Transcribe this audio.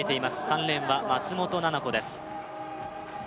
３レーンは松本奈菜子です